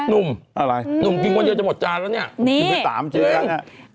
นุ่มอะไรนุ่มดูจะหมดจานแล้วเนี่ยนี่จริง